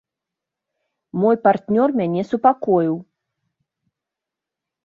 Мой партнёр мяне супакоіў.